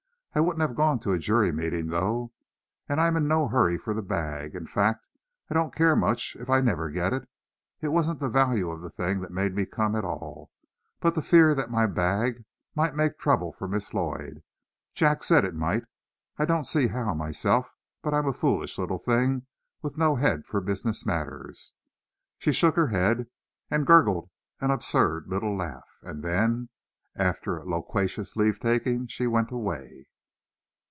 I wouldn't have gone to a jury meeting, though. And I'm in no hurry for the bag. In fact, I don't care much if I never get it. It wasn't the value of the thing that made me come at all, but the fear that my bag might make trouble for Miss Lloyd. Jack said it might. I don't see how, myself, but I'm a foolish little thing, with no head for business matters." She shook her head, and gurgled an absurd little laugh, and then, after a loquacious leave taking, she went away.